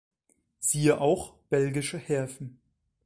Siehe auch Belgische Häfen.